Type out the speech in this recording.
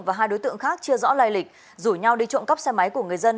và hai đối tượng khác chưa rõ lai lịch rủ nhau đi trộm cắp xe máy của người dân